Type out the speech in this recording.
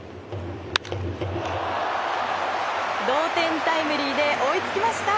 同点タイムリーで追いつきました。